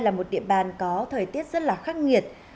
là một địa bàn có thời tiết rất là khắc nghiệt